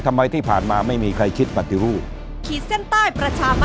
ทำไมที่ผ่านมาไม่มีใครคิดปฏิรูป